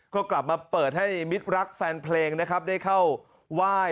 ก็กลับมาเปิดให้มิตรรักแฟนเพลงนะครับได้เข้าไหว้